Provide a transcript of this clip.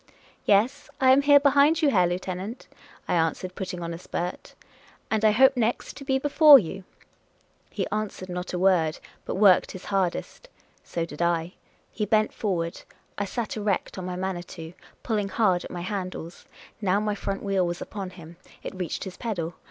" Yes, I am here, behind you, Herr Lieutenant," I an swered, putting on a spurt ;" and I hope next to be before you." He answered not a word, but worked his hardest. So did The Inquisitive American 87 I. He bent forward ; I sat erect on my Manitou, pullinj; hard at my handles. Now my front wheel was upon him. It reached his pedal.